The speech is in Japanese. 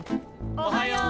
おはよう。